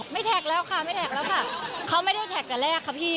ไม่แท็กแล้วค่ะเขาไม่ได้แท็กแต่แรกค่ะพี่